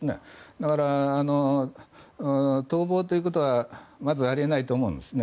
だから、逃亡ということはまずあり得ないと思うんですね。